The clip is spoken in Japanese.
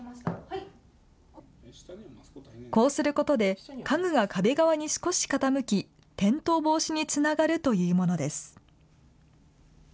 こうすることで、家具が壁側に少し傾き、転倒防止につながるというものです。